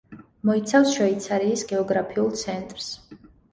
მოიცავს შვეიცარიის გეოგრაფიულ ცენტრს.